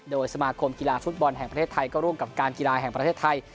โดยสมาคมกีฬาฟุตบอลแห่งประเทศไทยก็ร่วมกับการกีฬาแห่งประเทศไทย